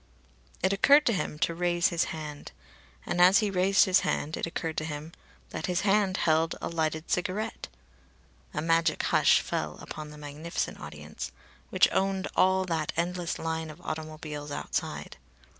It occurred to him to raise his hand. And as he raised his hand it occurred to him that his hand held a lighted cigarette. A magic hush fell upon the magnificent audience, which owned all that endless line of automobiles outside.